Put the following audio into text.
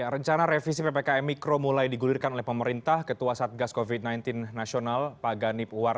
rencana revisi ppkm mikro mulai digulirkan oleh pemerintah ketua satgas covid sembilan belas nasional pak ganip uwar